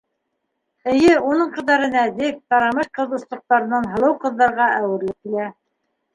Эйе, уның ҡыҙҙары нәҙек, тарамыш ҡыҙ остоҡтарынан һылыу ҡыҙҙарға әүерелеп килә.